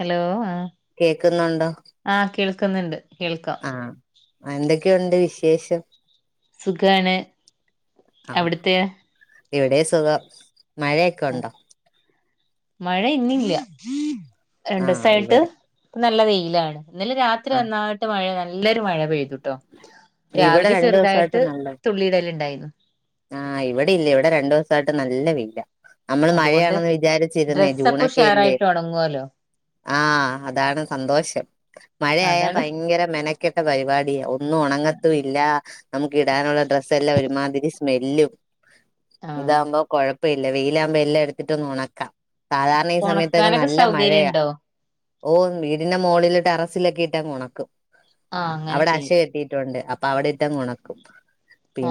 Hello കേക്കുന്നുണ്ടോ ആ കേൾ ക്കുന്നുണ്ട് കേൾക്കാം ആഹ് എന്തൊക്കെയുണ്ട് വിശേഷം സുഖാണ് അവിടുത്തെയോ ഇവിടേം സുഖം മഴ ഒക്കെണ്ടോ മഴ ഇന്നില്ല ആഹ് രണ്ടുസായിട്ട് ഇവിടെ നല്ല വെയി ഇല്ല ആടെ ഇന്നലെ രാത്രി ആഹ് നന്നായിട്ട് മഴ ല്ലൊരു മഴ പെയ്തു ട്ടോ ഇവിടെ രാവിലെ രണ്ടു ചെറുതായിട്ട് തുള്ളി ഇടയിലിണ്ടായി ആ ഇവിടെ ഇല്ല ഇവിടെ രണ്ടു ദിവസായിട്ട് നല്ല വെയിലാ നമ്മള് അതുകൊണ്ട് മഴയാണെന്ന് വിചാരിച്ച് ഇരുന്നെ ഡ്രസ്സൊക്കെ ജൂണൊക്കെയല്ലേ. ഉഷാറായിട്ട് ഉണങ്ങുവല്ലോ ആ അതാണ് സന്തോഷം മഴയായ അതാണ് ഭയങ്കര മെന കെട്ട പരിപാടിയാവും ഒന്നും ഒണങ്ങത്തു ഇല്ല നമുക്ക് ഇടാനുള്ള ഡ്രസ്സെല്ലാം ഒരുമാതിരി സ്മെല്ലും ആ ഇതാവുമ്പോ കൊഴ പ്പില്ലാ വെയിലാമ്പ എല്ലാം എടുത്തിട്ടങ്ങ് ഉണക്കാം സാധാരണ ഈ സമയത്തൊക്കെ ഉണക്കാനൊക്കെ നല്ല സൗകര്യം മഴയാ ഉണ്ടോ ഓ വീടിൻ്റെ മുകളില് ടെറസിലക്കിട്ടങ്ങ് ഒണക്കും ആ അങ്ങനെ അവിടെ അശ ചെയ്യും കെട്ടിയിട്ടുണ്ട് അപ് അവിടെ ഇട്ടാങ് ഒണക്കും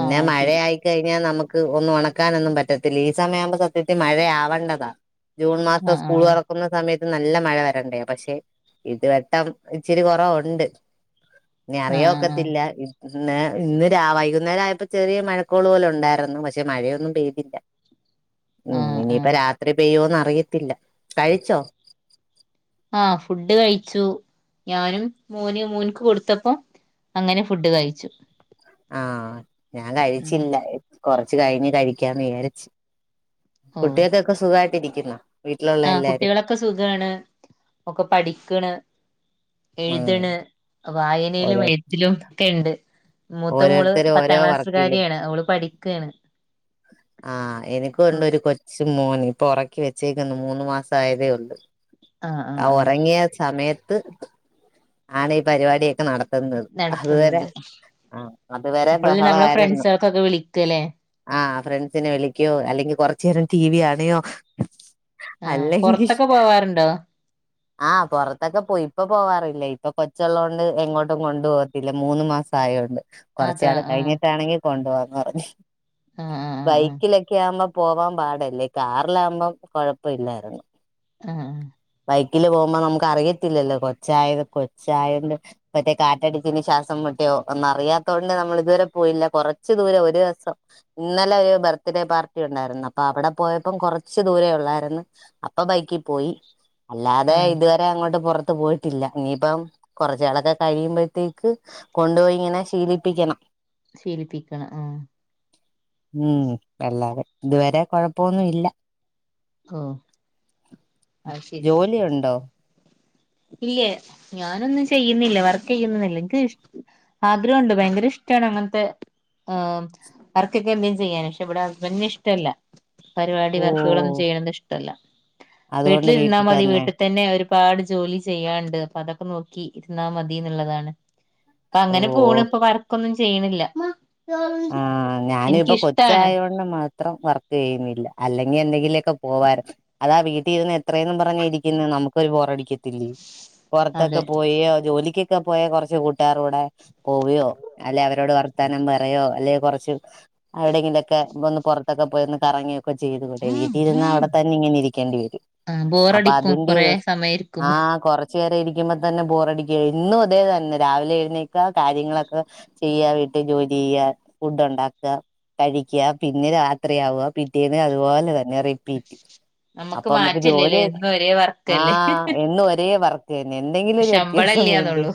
ആ ശരി മഴയായി നമ്മുക്ക് ഒന്ന് ഒണക്കാൻ ഒന്നും പറ്റത്തില്ലേ ഇ സമയം ആമ്പം സത്യത്തിൽ മഴയാവടതാ ജൂൺ ആ മാസം ആ സ്ക്കൂൾ തുറക്കുന്ന സമേ ഇപ്പോ നല്ല മഴ വരണ്ട പക്ഷേ ഇതു വട്ടം ഇച്ചിരി കുറവ് ഉണ്ട് ഇനി ആ ആ അറിയൊക്കത്തില്ല ന്നെ ഇന്ന് രാ വൈകുനേരായപ്പോ ചെറിയ മഴ കോളു പോലെ ഉണ്ടായിരുന്നു പക്ഷേ മഴയെന്നും പെയ്തില്ല മ് ആ ആ ഇനി ആ പ്പോ രാത്രി പെയ്യൊ ന്ന പെയ്യത്തില്ല കഴിച്ചോ ആ ഫുഡ് കഴിച്ചു ഞാനും മോനു മോന് ക്കൊടുത്തപ്പോ അങ്ങനെ ഫുഡ് കഴിച്ചു ആഹ് ഞാൻ കഴിച്ചില്ല കുറച്ച് കഴിഞ്ഞ് കഴിക്കാന്ന് വിജാരിച് കുട്ടി ഓക് ക്കെ സുഖായിട്ടിരി ഇന്ന ആ കുട്ടികള് ക്ക്‌ സുഖാണ്. ഒക്കെ പഠിക്ണ് ആ എയ്ത്ണ് വായനേലും ഓരോ എഴുതിലും ക്കെയുണ്ട് മുത്തമോൾ ഓരോരുത്തരും ഓരോ പത്താംക്ലാസ് കാരിയാണ് ഓള് പഠിക്കാണ് ആ എനിക് ഉണ്ട് അവൾക്ക് ഒരു കൊച്ച് ര് മോൻ ഇപ്പോ ഒറക്കി വെചേക്ന്ന് മുന്ന് മാസ ആയതേഉള്ളൂ ആഹ് ആഹ് ആ ആഹ് ഉറങ്ങിയ സമയ ത് അണ് ഈ പരിപാടി നടത് ത്ത്ന്നത് അന്നേര നടക്കുന്നത് അ അത് വരെ അപ്പളല്ലേ നമ്മളെ ബഹളായിരുന്നു ഫ്രണ്ട്സൾക്കൊക്കെ വിളിക്കല്ലേ ആ ഫ്രണ്ട് ക്ക്യോ എല്ലങ്കി കുറച്ച് നേരം ടി വി കണ് യോ ആ പുറത്ത് ഓകെ പോവാറുണ്ടോ ആ പുറത്ത് ഓകെ പോയി ഇപ്പോ പോ കറില്ല ഇപ്പോ കൊച്ച് ഉള്ളോണ്ട് എങ്ങോട്ടും കൊണ്ട് പോവത്തില്ല മുന്ന് മാസം ആയോണ്ട് കൊറച്ച് അതാ കാലം ആഹ് കഴിഞിട്ട് അണെങ്കി കൊണ്ടോവം [unintelligible] ആഹ് ആഹ് ആഹ് ബൈക്കിലോ കെ ആഉമ്പോ പോവാൻ പാട് എല്ലെ കാറിലാഉമ്പോ കുഴപ്പം ഇല്ല ആ ആ ബൈക്കിൽ പോഉമ്പോ നമ്മുക്ക് അറിയത്തില്ലല്ലോ കൊച്ചായത് കൊച്ചായന്റെ മറ്റേ കാറ്റടിക്ക്ന്ന് ശ്വാസം മുട്ടി ഒ ഒന്നറിയാത്തോണ്ട് നമ്മള് ഇത്വരേ പോയില്ല കുറച്ച് ദൂരം ഒരു രസം. ഇന്നലെ ഒരു ബെർത്ഡേയ് പാർട്ടി ണ്ടായിരുന്നു. അപ്പ അവിടെ പോയപ്പോ കുറച്ച് ദൂരെ ഉള്ളായിരുന്നു അപ്പ ബൈക്കി പോയി അല്ലതെ ആഹ് ആഹ് ഇതുവരെ അങ്ങോട്ട് പുറ ത്ത് പോയിട്ടില്ല ഇനിപ്പോ കുറച്ച് കാലക്കെ കഴിയുമ്പോ തേക്ക് കൊണ്ട് പോയി ങ്ങനെ ശീലിപ്പിക്കണം ഷീലിപ്പിക്കണ ആ ഉം എല്ലാതെ ഇതുവരെ കൊഴപ്പൊന്നുഇല്ല ഓ അഹ് ശെ ജോലിയുണ്ടോ ഇല്ലേ ഞാനൊന്നും ചെയ്യുന്നില്ല വർക്ക്‌ ചെയ്യുന്നതല്ലേ എക്ക് ആഗ്രഹമുണ്ട് ഭയങ്കര ഇഷ്ടാണ് അങ്ങത്തെ വർക്കൊക്കെ എന്തെങ്കി ചെയ്യാൻ പക്ഷെ ഇവിടെ ഹസ്ബൻഡിന് ഇഷ്ടല്ല പരുപാടി ഓ വർക്ക്കളൊന്നും ഇഷ്ടല്ല വീട്ടിൽ അതുകൊണ്ട് ഇരുന്നാമതി തന്നെ വീട്ടിത്തന്നെ ആഒരു പാട് ജോലി ചെയ്യാണ്ട് അപ്പോ അതൊക്കെ നോക്കി ഇരുന്നാമതിന്നുള്ളതാണ് ഓ ഇപ്പങ്ങനെ പോണ് ഇപ്പോ വർക്കൊന്നും ചെയ്യണില്ല ആഹ് ഞാനിപ്പം കൊച്ച് എനിക്കിഷ്ടാണ് ആയതുകൊണ്ടുമാത്രം വർക്ക്‌ ചെയ്യുന്നില്ല അല്ലെങ്കി ഇനി ന്തെങ്കില് പോവായിരുന്നു അതാവീട്ടി യിരുന്ന് എത്രയെന്ന് പറഞ്ഞിരിക്കുന്ന് നമുക്ക് ഒരു ബോറടിക്കത്തില്ലേ പൊറത്തൊക്കെ അതെ പോയി ആ ജോലി ക്കൊക്കെ പോയി കൊറച്ച് കൂട്ടുകാരുടെ പോവ്യോ അല്ലെ അവരോട് വർത്താനം പറ ട്ടോ അല്ലെ കൊറച്ച് അവിടെങ്കിലൊക്കെ ഒന്ന് പുറ അതാ പോയി ഒന്ന് കറങ്ങി. ഒക്കെ ചെയ്തുകൂടെ വീട്ടിയിരുന്നാ അവിടെ തന്നെ ഇങ്ങനെ ഇരിക്കേണ്ടിവരും, ആഹ് അപ്പോ ബോറടിക്കും അതിന്റെ കൊറേ ഒരു സമയം ഇരിക്കുമ്പോ ആഹ് കൊറ ച്ചു നേരം ഇരിക്കുമ്പോ തന്നെ ബോറടിക്കും, എന്നും അതേതന്നെ രാവിലെ എഴുന്നേൽക്കാ കാര്യങ്ങളൊക്കെ ചെയ്യാ വീട്ട് ജോലി. ചെയ്യാ ഫുഡ് ഉണ്ടാക്കാ കഴിക്കുക പിന്നെ രാത്രി ആവുക പിറ്റേന്ന് അതുപോലെ തന്നെ റിപീറ്റ്. അപ്പ നമുക്ക് മാറ്റല്ലല്ലേ ജോലിയൊ എന്നും ഒരേ വർക്കല്ലേ ആഹ് എന്നും ഒരേ വർക്ക്‌. അതെന്നെ എന്തെങ്കിലും ഒരു ശമ്പളം വ്യത്യാസം വേണ്ടേ. ഇല്ല്യാന്നുള്ളൂ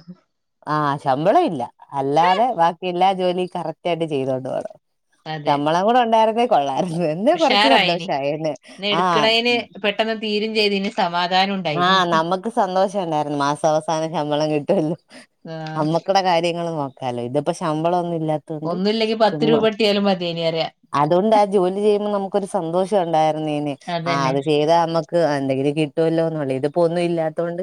ആഹ് ശമ്പളയില്ല അല്ലാതെ ബാക്കിയെല്ലാ ജോലിയും. കറക്ട് ആയിട്ട് ചെയ്തോണ്ട് പോണം. അതെ ശമ്പളം കൂടെ ഉണ്ടായിരുന്നെ. കൊള്ളായിരുന്നു വലിയ കൊറച്ചു ഉഷാറായിനി സന്തോഷമായേനെ ഇന്ന് ആ. എടുക്കണേന് പെട്ടെന്ന് തീരും ചെയ്തേനെ. ആഹ് നമ്മക്ക് സന്തോഷം ഉണ്ടായിരുന്നു മാസവസാ നം ശമ്പളം കിട്ടുവല്ലോ. ആഹ് അന്നക്കടെ കാര്യങ്ങള് നോ അല്ല ഇതിപ്പൊ ശമ്പളൊന്ന്. ഇല്ലാതോണ്ട് ഒന്നുല്ലെങ്കി പത്ത് ചുമ്മാ രൂപ കിട്ടിയാലും മതിയേനി പറയാ അത്കൊണ്ടാ ജോലി ചെയ്യുമ്പോ നമുക്കൊരു സന്തോഷം ഉണ്ടായിരുന്നീന്നെ, ആഹ് അതന്നെ അത് ശീലവാ നമുക്ക് എന്തെങ്കിലും കി തല്ലോ ന്നൊടി ഇതിപ്പോ ഒന്നുല്ലാത്തോണ്ട്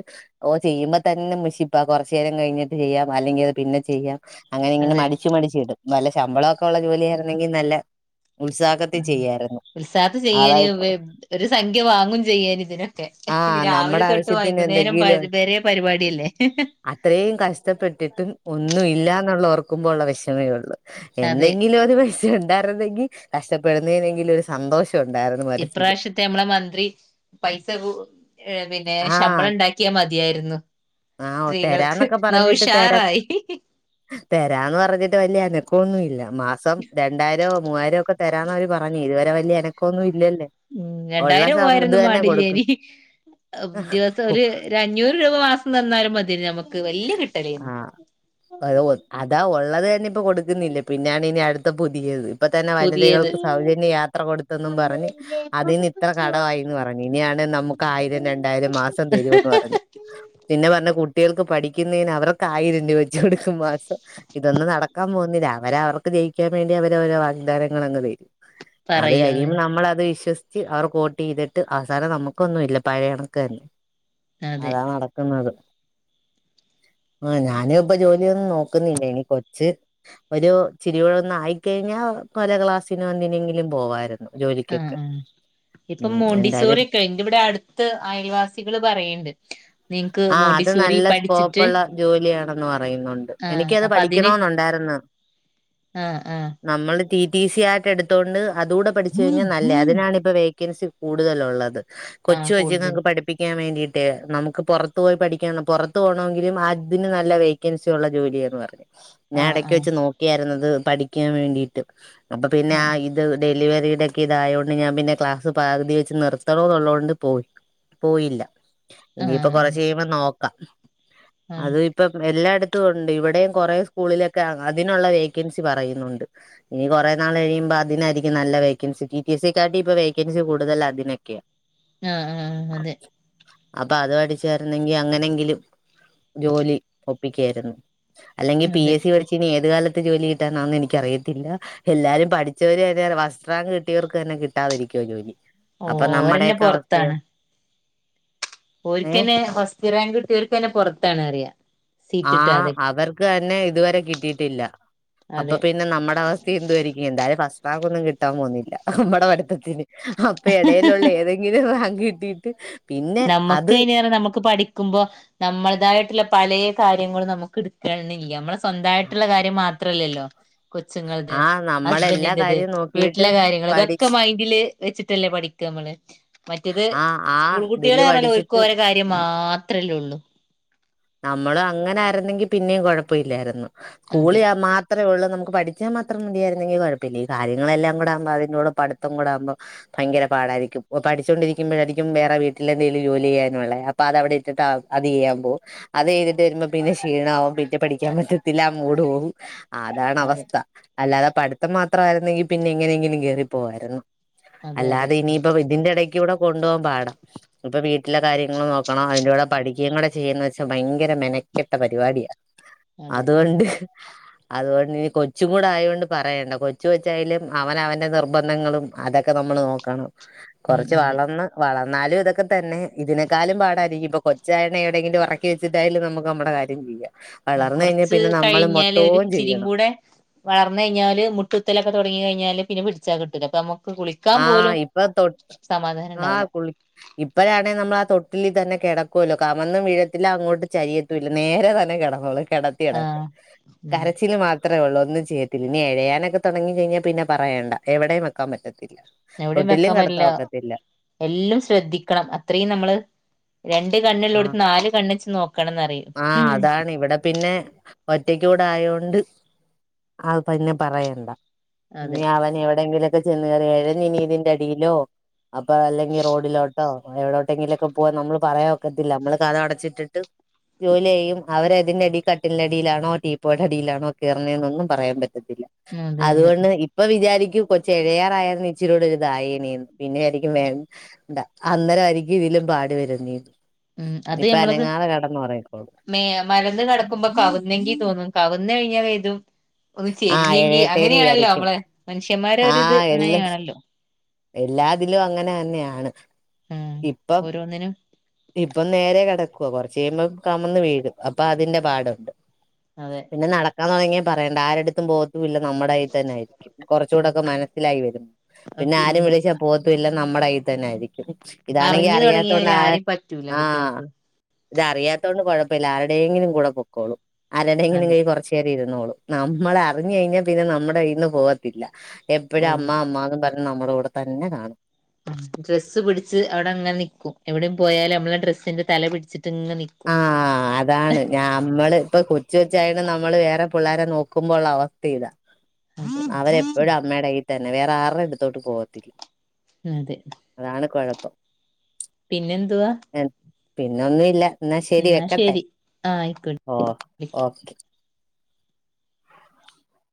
ഓഹ് ചെയ്യുമ്പൊ തന്നെ മുഷിപ്പ കൊർചേരം കഴിഞ്ഞിട്ട് ചെയ്യ അല്ലെങ്കി പിന്നെ ചെയ്യ അങ്ങനെ ഇങ്ങനെ അതെ മടിച്ച് മടിച്ച് ഇടും നല്ല ശമ്പളൊക്കോ ഉള്ള ജോലിയാരുന്നെങ്കി നല്ല ഉത്സാഹത്തിൽ ചെയ്യായിരുന്നു ൽസാത് ചെയ്യേനി അതായിപ്പോ ഒരു സംഖ്യ വാങ്ങും ചെയ്യേന് ഇതിന് ആഹ് നമ്മടെ ആവശ്യത്തിന് എന്തെങ്കിലും വരെ പരിപാടിയല്ലേ അത്രേം കഷ്ട്ടപെട്ടിട്ടും ഒന്നുല്ല അന്നൊള്ളു ഓർക്കുമ്പൊ ഒള്ള വെഷമേ ഉള്ളു അതെ എന്തെങ്കിലും ഒരു പൈസ ഒ ണ്ടായിരുന്നെങ്കി കഷ്ട്ട പ്പെടുന്നേനെങ്കിലും ഒരു സന്തോഷ ഇപ്രാശ്യത്തെ മ്മളെ മന്ത്രി പൈസ് [unintelligible] ഏഹ് പിന്നേ ആഹ് ശമ്പളം ഇണ്ടാക്കിയ മ ത്തിയാരുന്നു ആഹ് സ്ത്രീകൾക്ക് തരാന്നൊക്കെ ന്ന പറഞ്ഞിട്ട് തരാ ഉഷാറായി തരാന്ന് പറഞ്ഞിട്ട് വല്യ അനക്കൊന്നില്ല മാസം രണ്ടായിരോ മുവ്വായിരോ ക്കെ തരാന്നവര് പറഞ് ഇരുവെ വടെ വല്യ അനക്കൊന്നുൽ രണ്ടായിരം മുവ്വായിരൊന്നും കൊടുക്കും മാണ്ടീലേന് ദിവസം ഓല് അഞ്ഞൂറ് രൂബ മാസം തന്നാലും മതിലേ ഞമ്മക് ആഹ് അത് ഒ അതാ ഒള്ളത് തന്നെ ഇപ്പൊ കൊടുക്ക്ന്നില്ല പിന്നെയാണിനി അട് ത്ത പുതിയത് ഇപ്പൊ തന്നെ വയ് [unintelligible] പുതിയത് സ്ത്രീകൾക്ക് സൗജന്യ യാത്ര കൊടുത്തെന്നും പറഞ്ഞ് അതിന്ന് ഇത്ര കടവായിന്ന് പറഞ്ഞ് ഇനിയാണ് നമ്ക്ക് ആയിരം രണ്ടായിരം മാസം തരൂന്ന് പറഞ്ഞ് പിന്നെ പറഞ് കുട്ടിയേൾക്ക് പണി ക്കിന്നേന് അവർക്ക് ആയിരം രു ട്ക്കും മാസം ഇതൊന്നും നടക്കാപോവ് അവരാ അവർക്ക് ജയിക്കാൻ വേണ്ടി അവര് അവരെ വാക്ദാനങ്ങളങ്ങ് തരും അത് പറയൂ അതെ കഴിയുമ്പൊ നമ്മളത് വിശ്വസി അവർക്ക് ഓട്ടീതിട്ട് അവസാനം നമ്മ്ക്കൊന്നുല്ല പഴേ കണക്ക്ന്നെ അതെ അതാ നടക്ക്ന്നത് ആഹ് ഞാന് ഇപ്പൊ ജോ ഇനിയൊന്നും നോക്കുന്നില്ല ഇനി കൊച്ച് ഒരു ഇച്ചിരി ഒന്ന് ആയിക്കഴിഞ്ഞാ ഓരോ ക്ലാസിന് എന്തെങ്കിലും പോകായിരുന്നു ആ ഇപ്പം എന്തായാലും മോന്റീസോര്യരെ ഒക്കെ ഇവിടെ അടുത്ത് അയൽവാസികൾ പറയ്ണ്ട് നി ആ അത് നല്ല സ്കോപ്പുള്ള ജോലിയാണെന്ന് പറയുന്നുണ്ട് ആഹ് എനിക്കത് അപ്പൊ അതിന് പഠിക്കണം ഉണ്ടായിരുന്നു ആഹ് ആഹ് നമ്മള് ടിടിസി ആയിട്ട് എടുത്തുകൊണ്ട് അതുടെ പഠിച്ച കഴിഞ്ഞാൽ നല്ലതാണ് അതിനാണ് ഇപ്പം വേക്ക വേക്കൻസി കൂടുതലുള്ളത്. ആഹ് കൊച്ചു കൂടുതൽ കൊച്ചുങ്ങൾക്ക് പഠിപ്പിക്കാൻ വേണ്ടി അതെ നമുക്ക് പുറത്ത് പുറത്തു പോയി പഠിക്കാൻ പുറത്തു പോകണമെങ്കിലും അതിനു നല്ല വേക്കൻസി ഉള്ള ജോലിയാണ് പറഞ്ഞു ഞാൻ ആഹ് ഇടയ്ക്ക് ആഹ് വച്ച് നോക്കിയാരുന്നു അത് പഠിക്കാൻ വേണ്ടിയിട്ട് അപ്പൊ പിന്നെ ആ ആഹ് ഇത് ഡെലിവറി ഇടയ്ക്ക് ഇത് ആയതുകൊണ്ട് ഞാൻ ക്ലാസ്സ് പകുതിക്ക് വെച്ച് നിർത്തണമെന്ന് കൊണ്ട് പോയില്ല ഇനി ഇപ്പം ആഹ് കുറെ [unintelligible] നോക്കാം ആഹ് അതും ഇപ്പം എല്ലായിടത്തും ഉണ്ട് ഉണ്ട് ഇവിടെയും കുറെേ സ്കൂളിലൊക്കെ അതിനുള്ള വേക്കൻസി പറയുന്നുണ്ട്. ഇനി കുറെ നാൾ കഴിയുമ്പോൾ അതിനായിരിക്കും നല്ല വേക്കൻസി ടി ടി എസ് സക്കാട്ടി ഇപ്പൊ വേക്കൻസി കൂടുതൽ അതിനൊക്കെയാണ്. ആഹ ആഹ അതെ അപ്പൊ അത് പഠിച്ച് ചിരുന്നെങ്കിൽ അങ്ങനെങ്കിലും ജോലി ഒപ്പിക്കായിരുന്നു അല്ലെങ്കി അതെ പിഎസ്സി പഠിച്ച് ഇനി ഏത് കാല ത്ത് ജോലി കിട്ടാന്നാന്നെനിക്കറിയത്തില്ല എല്ലാരും പഠിച്ചവര് വരെ ഫസ്റാങ്ക് കിട്ടിയവർക്ക് തന്നെ കിട്ടാതിരിക്കുവാ ജോലി ഓ അപ്പൊ ഓരെന്നെ നമ്മുടെയൊക്കെ അവസ്ഥയോ പൊറത്താണ് ഏഹ് ഒര്ത്തന് ഫസ് റ്റ്റാങ്ക്ട്ട്യാേൽക്കെന്നെ പാെറത്താണ് അറിയാ ആ അവർക്ക് തന്നെ ഇ ത്‌വരെ കിട്ടിയിട്ടില്ല അപ്പ അതെ പിന്നെ നമ്മടെ അവസ്ഥ എന്തു ആരിക്കും എന്തായാലും ഫസ് റാങ്കൊന്നും കിട്ടാൻ പോവുന്നില്ല നമ്മടെ പഠ്ത്തത്തിന് അപ്പൊ എടയ്ലുള്ള ഏതെങ്കിലും ഒരാ ക്ക് കിട്ടീട്ട് നമ്മക്ക് അയ്നർന നമ്ക്ക് പഠിക്കുമ്പോ നമ്മളതായ് ട്ട്ലെ പലേ കാര്യങ്ങളും നമുക്ക് ട്ക്ക്ണില്ല്യ മ്മളെ സ്വന്തായ്ട്ട്ള്ള കാര്യം മാത്രല്ലല്ലോ ആ കൊച്ച്ങ്ങൾടേത്‌, നമ്മളെല്ലാ ഹസ്ബന്റിന്റെത്, കാര്യവും നോക്കിയിട്ട് വീട്ടിലെ കാര്യങ്ങള് ഇതൊക്കെ പഠിച്ച് മൈന്റില് വെച്ചിട്ടല്ലേ പടിക്കമ്മള് മറ്റേതു ആ ആ ഇതില് സ്കൂൾക്കുട്ടിളെണെല്ലെ ഓൽക്ക് പഠിച്ചിട്ട് ഓരെ കാര്യം മാത്രല്ലെള്ളു നമ്മള് അങ്ങനെ ആയിരുന്നെങ്കി പിന്നെ കൊഴപ്പമില്ലാര്ന്നു സ്കൂളി അതെ ആ മാത്രേ ഒള്ളു നമുക്ക് പഠിച്ചാ മാത്രം മതിയാരുന്നെ ങ്കി കൊഴപ്പഇല്ല കാര്യങ്ങെളെല്ലാം കൂടെ ആവുമ്പ അതിന്റെ കൂടെ പഠിത്തവും കൂടെ ആകുമ്പോൾ ഭയങ്കര പാടായിരിക്കും ഓ പഠിച്ചോണ്ടിരിക്കുമ്പ ആയിരിക്കും വേറെ വീട്ടിലെ എന്തെങ്കിലു ജോലിയ്യാനുള്ളെ അപ്പ അത് അവ്ടെ ഇട്ടിട്ട് അത്യ്യാൻ പോവും അത് കഴിഞ്ഞ്ട്ട് വരുമ്പ ഷീണാവും പിന്നെ പഠിക്കാൻ പറ്റത്തില്ല ആ മൂഡ് പോകും അതെ അതാണാവസ്ഥ അല്ലാതെ പഠിത്തം മാത്രം ആയിരുന്നേൽപിന്നെ എങ്ങനെലും കേറി പോവാര്ന്നു അതെ അതെ അല്ലാതെ ഇനിയിപ്പ ഇതിന്റെ എടെകൂടെ കൊണ്ടുപോവാൻ പാട അപ്പ വീ വീട്ടിലെ കാര്യങ്ങളും നോക്കണം അതിന്റെ കൂടെ പഠിക്കെയും കൂടെ ചെയ്യണന്ന് വെ ഭയങ്കെര മെനെകെട്ട പരിപാടിയാ അതെ അതുകൊണ്ട് അതുകൊണ്ട് ഇനി കൊച്ചുകൂടെ ആയൊണ്ട് പറയണ്ട കൊച്ചു കൊച്ചായാലും അവൻ അവന്റെ നിർബന്ധങ്ങളും അതൊക്കെ നമ്മള് നോക്കണം ഉം കുറച്ചു അതെ വളർന്ന് വളർ ന്നാലു ഇതൊക്കെ തന്നെ ഇതിനെക്കാലും പാടായിരിക്കും ഇപ്പൊ കൊച്ചായോണ്ട് എവിടെങ്കിലു ഒറ ക്കെച്ച്ട്ടായാലും നമ്മക്ക് നമ്മുടെ കാര്യം ചെയ്യാ കുറച്ചു കഴിഞ്ഞാല് ഒരു ചെയ്യണം ഇച്ചിരിംക്കൂടെ വളർന്ന് കഴിഞ്ഞാല് മുട്ട് ത്തലൊക്കെ തൊടങ്ങി കഴിഞ്ഞാല് പിന്നെ പിടിച്ചാൽ കിട്ടൂല അപ്പ നമ്മ ആ ഇപ്പൊ തൊട്ട് സമാധാനം ആ ഉണ്ടാവില്ല കുളി ഇപ്പഴാണെ നമ്മള് തൊട്ടിലി തന്നെ കിടക്കുല്ലോ കമന്നു വീഴത്തു ഇല്ല അങ്ങോട്ട് ചെരിയത്തുല്ല നേരെ തന്നെ കിടന്നോളും കിടത്തിയിടത്ത് ആഹ് ഉം കരച്ചിൽ മാ ഇത്രെ ഒള്ളു ഒന്നും ചെയ്യത്തില്ല ഇനി ഇഴയാനൊക്കെ തൊടങ്ങി കഴഞ്ഞാ പിന്നെ പറയണ്ട എവിടെം വെയ്ക്കാൻ പറ്റ ഇല്ല എവിടെയും വെയ്ക്കാൻ പറ്റില്ല എല്ലാം ശ്രെദ്ധിക്കണം അത്രേം നമ്മള് രണ്ട് ആഹ് കണ്ണ്ള്ളൊട്ത് നാല് കണ്ണച്ച് നോക്കണന്ന്റയും ആഹ് മ് ടെ ആയൊണ്ട് അഹ്‌ പിന്നെ പറയണ്ട അതെ ഇനി അവൻ എവിടെങ്കിലും ചെന്ന് കേറിയാൽ ഇഴഞ്ഞ് ഇതിന്റെ അടിയിലോ അപ്പ അല്ലെങ്കി റോഡിലോട്ടൊ എവിടോട്ടെങ്കിലു ഒക്ക പോവ നമ്മൾ പറയാ ഒ ക്കത്തില്ല നമ്മള് കതകടച്ചിട്ടിട്ട് ജോലിയ്യും അവര് ഇതിന്റടി കട്ടിലിന്റെ അടിയിലാണൊ ടീപ്പോയിടെ അടിലാണോ കേറുന്നെ ഒന്നും പറയാൻ പ റ്റില്ല അതെ അതെ അതുകൊണ്ട് ഇപ്പ വിചാരി നി കൊച്ച് എഴയാറായെര്ന്നെ ഇച്ചിരൂടൊരു ഇതായെനേം പിന്നെ വിചാരിക്കും വേണ്ട അന്നരായിരിക്കും ഇതിലും പാട് വര്ന്നെന്ന്. ഉം അത് ഞമ്മളത് മെ മലർന്ന് കെ ടക്കുമ്പ കവുന്നെങ്കി തോന്നും കവിന്നുകഴിഞ്ഞാലിതും ഒന്നു ആഹ് ചെരിഞ്ഞങ്കി എഴയട്ടേന്ന് അങ്ങനെയാണല്ലോ വിചാരിക്കും നമ്മള് മനുഷ് നമ്മടെ ഒരു ഇത് ആഹ് എല്ലാ അങ്ങനെയാണല്ലോ എല്ലാതിലും അങ്ങനന്നെയാണ് ഉം ഓരോന്നിനും ഇപ്പം നേരെകിടക്കുവാ കൊറച്ച് കഴിയുമ്പോ കമന്ന് വീഴും അപ്പം അതിൻ്റെ പാടൊണ്ട് അതെ പിന്നെ നട ക്കാൻ തുടങ്ങിയാൽ പറയണ്ട ആരടുത്തും പോക മില്ല നമ്മടെയ്യിതന്നായിരിക്കും കൊറച്ചൂടൊക്കെ മനസ്സിലായി വരുമ്പം പിന്നാരും വിളിച്ചാ പോത്ത് പിന്നെ നമ്മട കയ്യിതന്ന ആയിരിക്കും. ഇതാണെങ്കി അറിയാത്തോണ്ട് ആര് റ്റൂല കുട്ടികൾക്ക് ഇത് അറിയാത്തോണ്ട് കുഴപ്പമില്ല ആരുടെയെങ്കിലും കൂടെ പൊക്കോളും. ആരെടെയെങ്കിലും അതെ കയ്യിൽ കുറച്ചുനേരം ഇരു ന്നോളും നമ്മളെ അറിഞ്ഞ് കഴിഞ്ഞാ പിന്നെ നമ്മടെ കയ്യിന്ന് പോത്തില്ല എപ്പഴും പോകും അമ്മ അമ്മ എന്നും പറ നമ്മടെ കൂടെ തന്നെ കാണും. ഡ്രസ്സ് പിടിച്ച് അവിടങ്ങനെ നിക്കും എവിടെയും പോയാല് നമ്മുടെ ഡ്രസ്സിൻറെ തല പിടിച്ച് ആ അതാണ് ഞാമ്മള് ഇപ്പം കൊച്ചുകൊച്ചായാലും നമ്മള് വേറെ പുള്ളാരെ നോക്കുമ്പോളുള്ള അവസ്ഥയിതാ. അവരെപ്പോഴും അമ്മേടെ കയ്യിൽ പിന്നെ വേറെ ആരുടെ അടുത്തോട്ട് പോകത്തില്ല. അതെ അതാണ് കൊഴപ്പം പിന്നെന്തുവാ പിന്നൊന്നുമില്ല എന്നാ ശരി വെക്കട്ടെ ആ ആയിക്കോട്ടെ ഓകെ വിളിക്ക ഓകെ